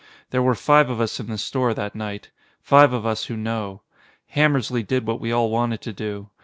There were five of us in the store that night. Five of us who know. Hammersly did what we all wanted to do.